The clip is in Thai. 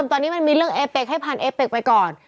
ตอนนี้มันมีเรื่องเอเป็กให้ผ่านเอเป็กไปก่อน